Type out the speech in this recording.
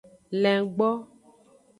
Lengbo.